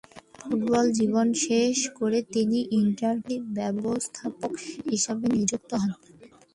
Football জীবন শেষ করে তিনি ইন্টার ক্লাবের ব্যবস্থাপক হিসেবে নিযুক্ত হন।